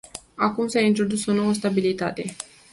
Acum s-a introdus o nouă subtilitate.